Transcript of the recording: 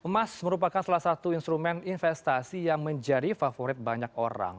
emas merupakan salah satu instrumen investasi yang menjadi favorit banyak orang